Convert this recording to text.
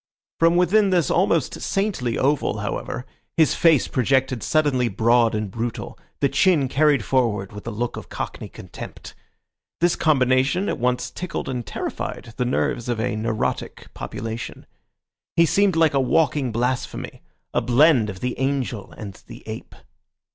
From within this almost saintly oval, however, his face projected suddenly broad and brutal, the chin carried forward with a look of cockney contempt. This combination at once tickled and terrified the nerves of a neurotic population. He seemed like a walking blasphemy, a blend of the angel and the ape.